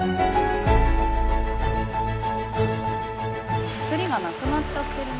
手すりがなくなっちゃってるね。